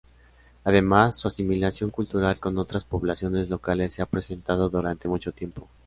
Además, su asimilación cultural con otras poblaciones locales se ha presentado durante mucho tiempo.